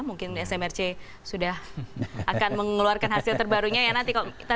mungkin smrc sudah akan mengeluarkan hasil terbarunya ya nanti